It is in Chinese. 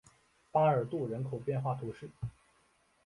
巴尔杜人口变化图示